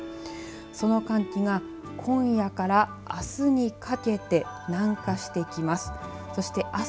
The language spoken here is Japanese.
その寒気が今夜からあすにかけて南下してきます。